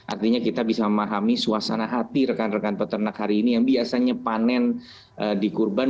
artinya kita bisa memahami suasana hati rekan rekan peternak hari ini yang biasanya panen di kurban